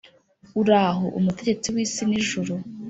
uhoraho, umutegetsi w’isi n’ijuru